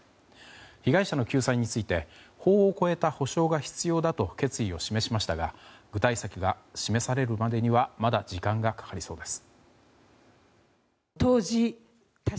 被害者の救済について法を超えた補償が必要だと決意を示しましたが具体策が示されるまでにはまだ時間がかかりそうです。